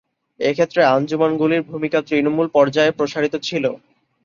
এক্ষেত্রে আঞ্জুমানগুলির ভূমিকা তৃণমূল পর্যায়ে প্রসারিত ছিল।